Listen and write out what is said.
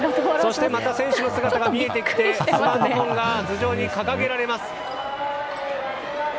そしてまた選手の姿が見えてきてプラカードが頭上に掲げられます。